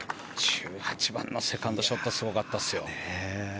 １８番のセカンドショットはすごかったですね。